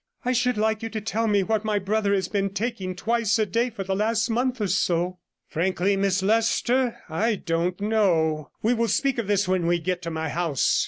'I should like you to tell me what my brother has been taking twice a day for the last month or so.' 'Frankly, Miss Leicester, I don't know. We will speak of this when we get to my house.'